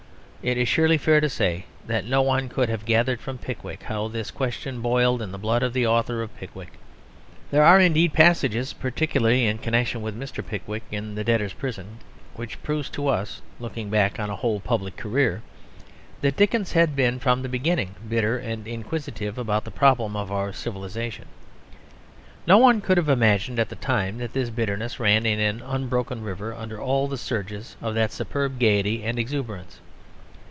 It is surely fair to say that no one could have gathered from Pickwick how this question boiled in the blood of the author of Pickwick. There are, indeed, passages, particularly in connection with Mr. Pickwick in the debtor's prison, which prove to us, looking back on a whole public career, that Dickens had been from the beginning bitter and inquisitive about the problem of our civilisation. No one could have imagined at the time that this bitterness ran in an unbroken river under all the surges of that superb gaiety and exuberance.